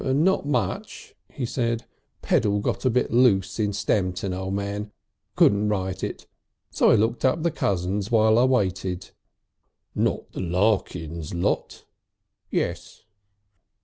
"Not much," he said. "Pedal got a bit loose in Stamton, O' Man. Couldn't ride it. So I looked up the cousins while I waited." "Not the Larkins lot?" "Yes."